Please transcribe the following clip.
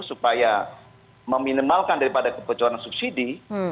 supaya meminimalkan daripada kebocoran subsidi